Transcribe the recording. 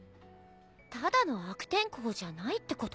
ただの悪天候じゃないってこと？